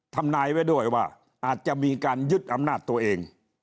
ทำนายไว้ด้วยว่าอาจจะมีการยึดอำนาจตัวเอง